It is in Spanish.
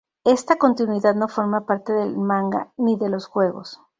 Esta continuidad no forma parte del manga ni de los juegos.